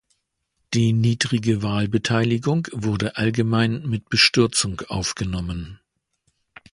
Die niedrige Wahlbeteiligung wurde allgemein mit Bestürzung aufgenommen.